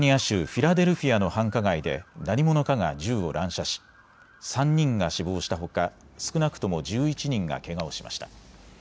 フィラデルフィアの繁華街で何者かが銃を乱射し３人が死亡したほか少なくとも１１人がけがをしました。